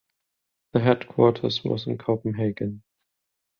The headquarters was in Copenhagen.